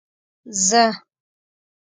زه.